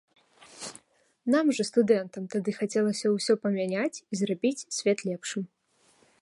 Нам жа, студэнтам, тады хацелася ўсё памяняць і зрабіць свет лепшым.